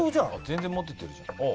全然持ててるじゃん。